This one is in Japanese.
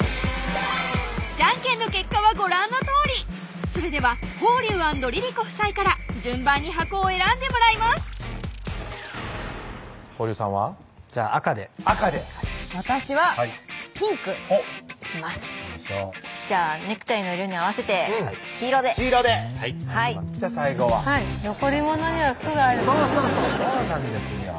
ジャンケンの結果はご覧のとおりそれでは峰龍＆Ｒｉｒｉｃｏ夫妻から順番に箱を選んでもらいます峰龍さんは？じゃあ赤で私はピンクいきますいきましょうじゃあネクタイの色に合わせて黄色でじゃあ最後は残り物には福があるということでそうなんですよ